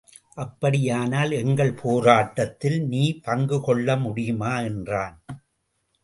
அப்படியானால் எங்கள் போராட்டத்தில் நீ பங்கு கொள்ள முடியுமா? என்றான்.